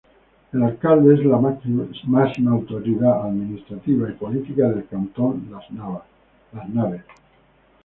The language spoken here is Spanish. El Alcalde es la máxima autoridad administrativa y política del cantón Las Naves.